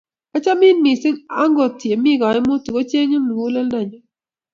Achamin missing, angot yemi kaimutik kocheng'in muguleldanyu